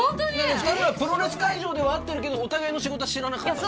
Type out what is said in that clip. ２人はプロレス会場では会ってるけどお互いの仕事は知らなかったの？